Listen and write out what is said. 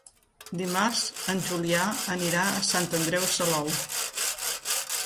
Dimarts en Julià anirà a Sant Andreu Salou.